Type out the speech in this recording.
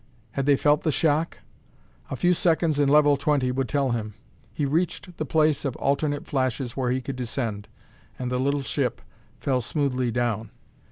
Had they felt the shock? A few seconds in level twenty would tell him. He reached the place of alternate flashes where he could descend, and the little ship fell smoothly down.